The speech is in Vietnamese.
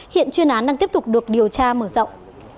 hiện chuyên án đang tiếp tục được điều tra mở rộng